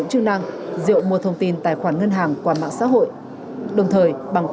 rồi tôi hết việc